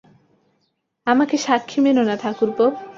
আমাকে সাক্ষী মেনো না ঠাকুরপো।